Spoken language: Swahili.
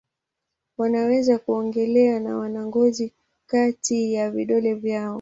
Wanaweza kuogelea na wana ngozi kati ya vidole vyao.